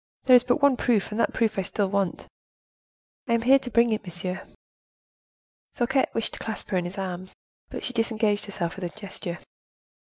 there is but one proof, and that proof I still want." "I am here to bring it, monsieur." Fouquet wished to clasp her in his arms, but she disengaged herself with a gesture.